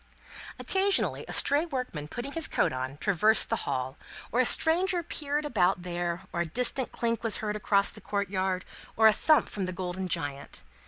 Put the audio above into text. Occasionally, a stray workman putting his coat on, traversed the hall, or a stranger peered about there, or a distant clink was heard across the courtyard, or a thump from the golden giant.